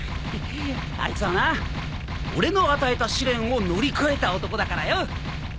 あいつはな俺の与えた試練を乗り越えた男だからよ。